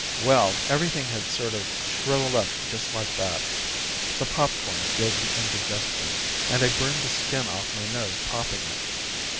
Well, everything had sort of shriveled up just like that. The popcorn gave me indigestion, and I burned the skin off my nose popping it.